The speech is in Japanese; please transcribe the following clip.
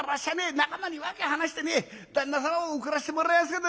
仲間に訳話してね旦那様を送らせてもらいますけどね